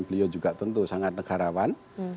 beliau juga tentu sangat negarawan